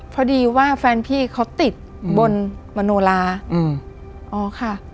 พอดีว่าแฟนพี่เขาติดบนมโนลาอืมอ๋อค่ะ